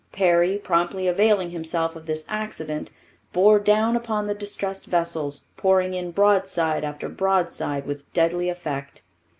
Perry, promptly availing himself of this accident, bore down upon the distressed vessels, pouring in broadside after broadside with deadly effect.